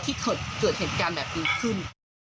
ที่เกิดเหตุการณ์แบบนี้ขึ้น